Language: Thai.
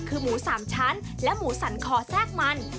คือหมู๓ชั้นและหมูสันคอแทรกมัน